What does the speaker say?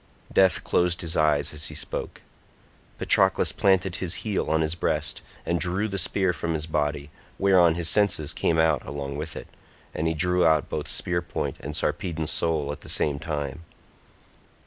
Death closed his eyes as he spoke. Patroclus planted his heel on his breast and drew the spear from his body, whereon his senses came out along with it, and he drew out both spear point and Sarpedon's soul at the same time.